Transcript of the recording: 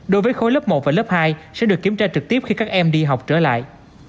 đối với khối lớp một và lớp hai sẽ được kiểm tra trực tiếp khi các em đi học trở lại